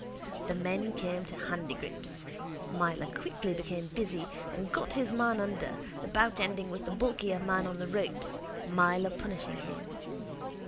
The men came to handigrips. Myler quickly became busy and got his man under, the bout ending with the bulkier man on the ropes, Myler punishing him.